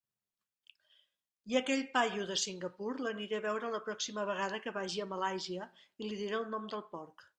I a aquell paio de Singapur l'aniré a veure la pròxima vegada que vagi a Malàisia i li diré el nom del porc.